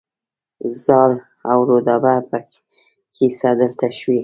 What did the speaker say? زال او رودابه کیسه دلته شوې